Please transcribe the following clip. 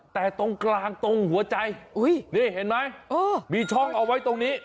แต่ตรงกลางตรงหัวใจนี่เห็นไหมมีช่องเอาไว้ตรงนี้